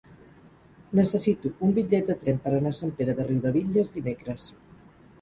Necessito un bitllet de tren per anar a Sant Pere de Riudebitlles dimecres.